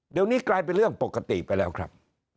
เดี๋ยวนี้กลายเป็นเรื่องปกติไปแล้วครับ